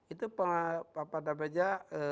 itu pada baca